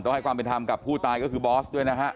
ให้ความเป็นธรรมกับผู้ตายก็คือบอสด้วยนะฮะ